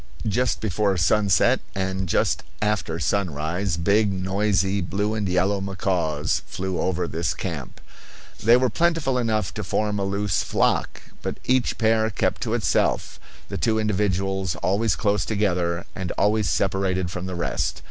Just before sunset and just after sunrise big, noisy, blue and yellow macaws flew over this camp. They were plentiful enough to form a loose flock, but each pair kept to itself, the two individuals always close together and always separated from the rest.